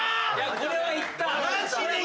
これはいった。